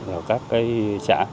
và các xã